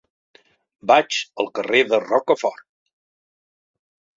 Vaig al carrer de Rocafort.